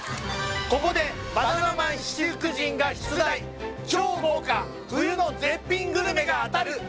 ここでバナナマン七福神が出題超豪華冬の絶品グルメが当たる